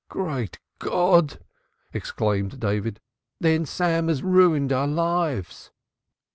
"Great God!" exclaimed David. "Then Sam has ruined our lives."